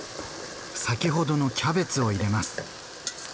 先ほどのキャベツを入れます。